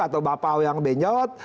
atau bapau yang benyot